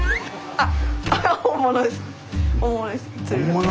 あっ！